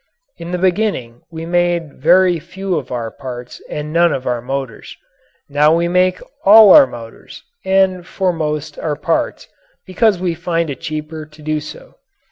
In the beginning we made very few of our parts and none of our motors. Now we make all our motors and most of our parts because we find it cheaper to do so.